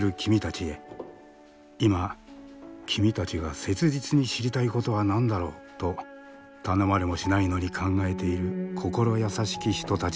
「今君たちが切実に知りたいことは何だろう？」と頼まれもしないのに考えている心優しき人たちがいる。